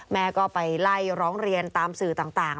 แม่ก็ไปไล่ร้องเรียนตามสื่อต่าง